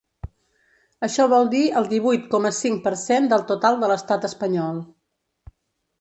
Això vol dir el divuit coma cinc per cent del total de l’estat espanyol.